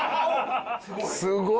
すごい。